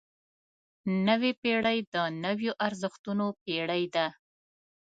نوې پېړۍ د نویو ارزښتونو پېړۍ ده.